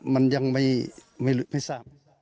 มันยังไม่รู้ไม่ทราบ